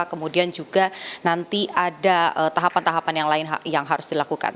kemudian juga nanti ada tahapan tahapan yang lain yang harus dilakukan